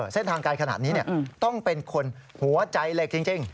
เส้นทางไกลขนาดนี้ต้องเป็นคนหัวใจเหล็กจริง